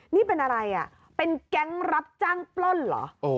นี่เป็นอะไรอ่ะเป็นแก๊งรับจ้างปล้นเหรอ